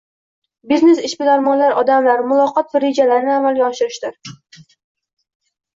Biznes – bu ishbilarmon odamlar, muloqot va rejalarni amalga oshirishdir.